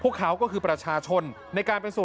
พวกเค้าก็คือประชาชนในการเป็นส่วนหนึ่ง